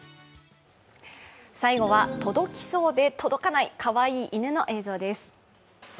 最後は、届きそうで届かないかわいい犬の映像です。